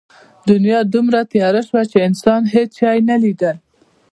دنیا دومره تیاره شوه چې انسان هېڅ شی نه لیدل.